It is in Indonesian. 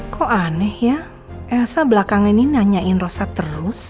kok aneh ya elsa belakangan ini nanyain rosat terus